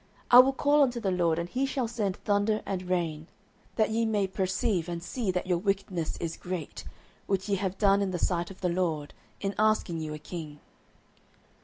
I will call unto the LORD, and he shall send thunder and rain; that ye may perceive and see that your wickedness is great, which ye have done in the sight of the LORD, in asking you a king.